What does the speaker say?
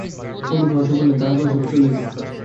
পণ্ডিতমহাশয় বলিতেন, তাঁহার বয়স সবে চল্লিশ বৎসর।